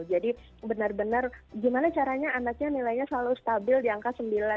jadi benar benar gimana caranya anaknya nilainya selalu stabil di angka sembilan puluh seratus sembilan puluh seratus